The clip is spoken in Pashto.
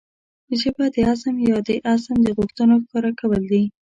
ژبه د عزم يا د عزم د غوښتنو ښکاره کول دي.